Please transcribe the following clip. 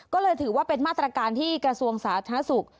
ก็เลยถือว่าเป็นมาตรการที่กระทรวงสาธารณสุข